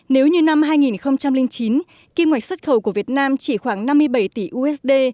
nếu như năm hai nghìn chín kim ngạch xuất khẩu của việt nam chỉ khoảng năm mươi bảy tỷ usd